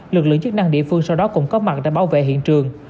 lực lượng chức năng địa phương sau đó cũng có mặt để bảo vệ hiện trường